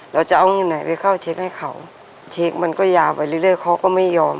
เราจะเอาเงินไหนไปเข้าเช็คให้เขาเช็คมันก็ยาวไปเรื่อยเขาก็ไม่ยอม